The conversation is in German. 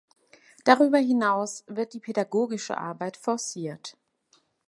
Darüber hinaus wird die pädagogische Arbeit forciert.